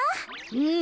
うん。